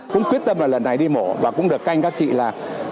cũng quyết tâm là lần này đi mổ và cũng được canh các chị là